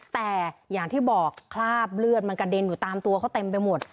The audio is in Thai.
แต่อย่างที่บอกคราบเลือดมันกระเด็นอยู่ตามตัวเขาเต็มไปหมด